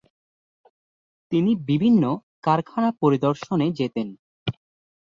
তিনি বিভিন্ন কারখানা পরিদর্শনে যেতেন।